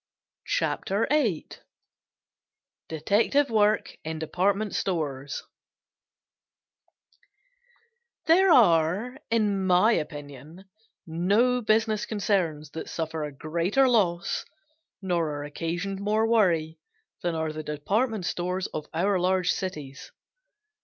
CHAPTER VIII DETECTIVE WORK IN DEPARTMENT STORES There are, in my opinion, no business concerns that suffer a greater loss, nor are occasioned more worry than are the department stores of our large cities.